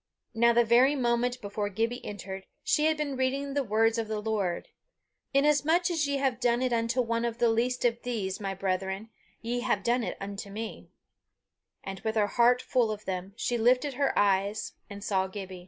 Now the very moment before Gibbie entered, she had been reading the words of the Lord: "Inasmuch as ye have done it unto one of the least of these my brethren, ye have done it unto me"; and with her heart full of them, she lifted her eyes and saw Gibbie.